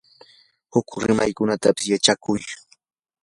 huk rimaykunatapis yachakuy.